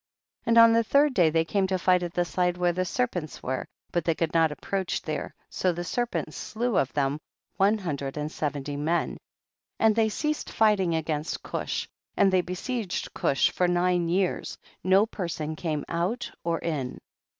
20. And on the third day they came to fight at the side where the ser pents were, but they could not ap proach there, so the serpents slew of them one hundred and seventy men, and they ceased fighting against Cush, and they besieged Cusli for nine years, no person came out or in.